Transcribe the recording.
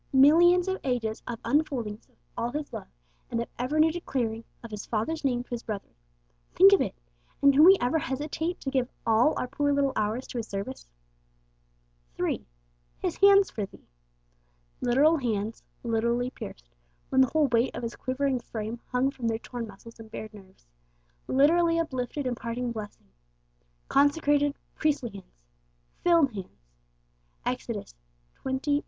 Millions of ages of unfoldings of all His love, and of ever new declarings of His Father's name to His brethren. Think of it! and can we ever hesitate to give all our poor little hours to His service? 3. His Hands 'for thee.' Literal hands; literally pierced, when the whole weight of His quivering frame hung from their torn muscles and bared nerves; literally uplifted in parting blessing. Consecrated, priestly hands; 'filled' hands (Ex. xxviii.